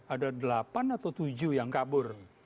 ada delapan atau tujuh yang kabur